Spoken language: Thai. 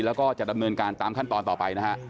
แล้วก็จะดำเนินการตามขั้นตอนต่อไปนะฮะ